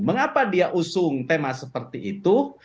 mengapa dia usung tema seperti itu